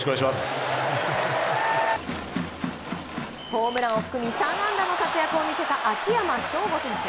ホームラン含む３安打の活躍を見せた大活躍の秋山翔吾選手。